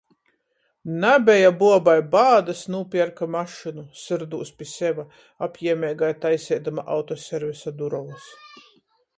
"Nabeja buobai bādys, nūpierka mašynu!" syrdūs pi seve, apjiemeigi taiseidama autoservisa durovys.